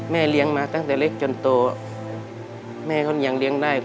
เลี้ยงมาตั้งแต่เล็กจนโตแม่เขายังเลี้ยงได้